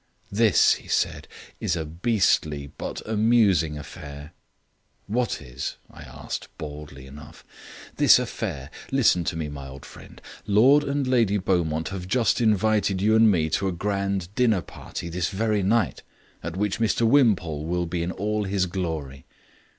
"This," he said, "is a beastly but amusing affair." "What is?" I asked, baldly enough. "This affair. Listen to me, my old friend. Lord and Lady Beaumont have just invited you and me to a grand dinner party this very night, at which Mr Wimpole will be in all his glory.